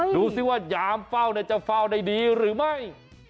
ดูสิว่ายามเฝ้าจะเฝ้าได้ดีหรือไม่